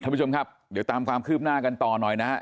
ท่านผู้ชมครับเดี๋ยวตามความคืบหน้ากันต่อหน่อยนะฮะ